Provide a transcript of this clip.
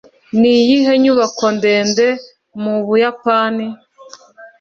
niyihe nyubako ndende mu buyapani